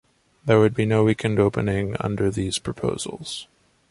There would be no weekend opening under theses proposals.